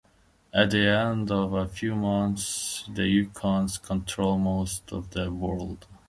At the end of a few months the Yukons control most of the world.